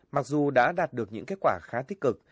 mặc dù đã đạt được những kết quả khá tích cực